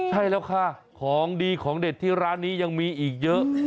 ใช่แล้วค่ะของดีของเด็ดที่ร้านนี้ยังมีอีกเยอะ